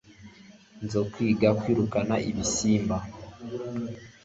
nzokwiga kwirukana ibisimba